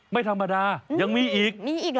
ไม่ธรรมดายังมีอีก